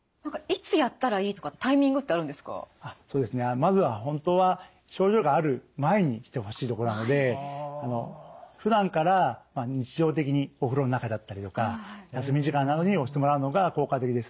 まずは本当は症状がある前にしてほしいところなのでふだんから日常的にお風呂の中だったりとか休み時間などに押してもらうのが効果的です。